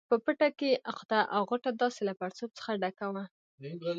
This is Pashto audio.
په پټه کې یې عقده او غوټه داسې له پړسوب څخه ډکه وه.